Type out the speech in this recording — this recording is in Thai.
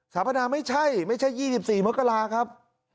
ปนาไม่ใช่ไม่ใช่๒๔มกราครับ